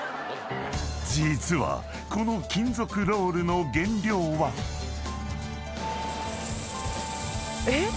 ［実はこの金属ロールの原料は］えっ？